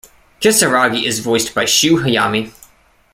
Kisaragi is voiced by Shou Hayami.